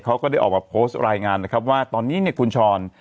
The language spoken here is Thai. ก็ได้ออกมาโพสต์รายงานนะครับว่าตอนนี้เนี่ยคุณชร